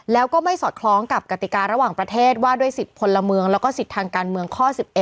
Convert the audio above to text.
แล้วก็ไม่สอดคล้องกับกติการะหว่างประเทศว่าด้วยสิทธิ์พลเมืองแล้วก็สิทธิ์ทางการเมืองข้อ๑๑